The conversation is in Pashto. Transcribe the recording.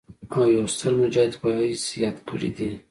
او يو ستر مجاهد پۀ حييث ياد کړي دي